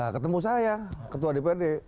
ketemu saya ketua dprd